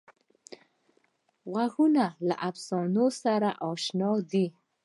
غوږونه له افسانو سره اشنا دي